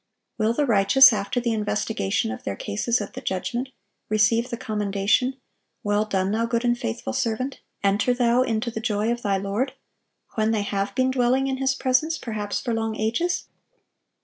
Will the righteous, after the investigation of their cases at the judgment, receive the commendation, "Well done, thou good and faithful servant, ... enter thou into the joy of thy Lord,"(975) when they have been dwelling in His presence, perhaps for long ages?